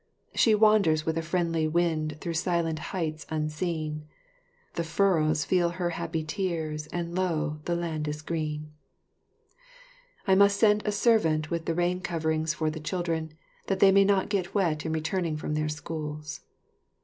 She wanders with a friendly wind through silent heights unseen, The furrows feel her happy tears, and lo, the land is green!" I must send a servant with the rain coverings for the children, that they may not get wet in returning from their schools.